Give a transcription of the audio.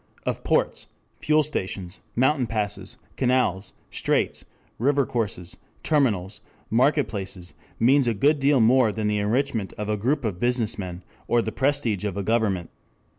] of ports, fuel stations, mountain passes, canals, straits, river courses, terminals, market places means a good deal more than the enrichment of a group of business men, or the prestige of a government.